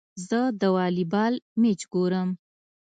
زه د والي بال مېچ ګورم.